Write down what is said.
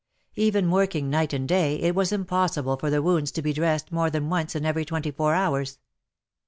Even working night and day, it was impossible for the wounds to be dressed more than once in every twenty four hours.